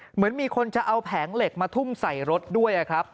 เหมือนมีคนจะเอาแผงเหล็กมาทุ่มใส่รถด้วยครับ